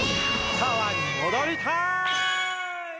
川にもどりたい！